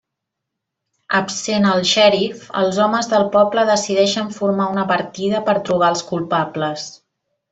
Absent el xèrif, els homes del poble decideixen formar una partida per trobar els culpables.